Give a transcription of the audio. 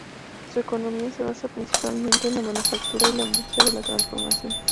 Su economía se basa principalmente en la manufactura y la industria de la transformación.